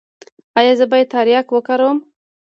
ایا زه باید تریاک وکاروم؟